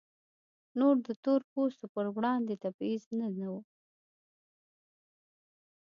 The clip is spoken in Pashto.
نور د تور پوستو پر وړاندې تبعیض نه و.